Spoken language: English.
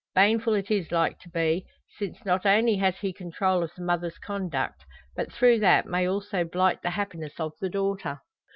Baneful it is like to be; since not only has he control of the mother's conduct, but through that may also blight the happiness of the daughter.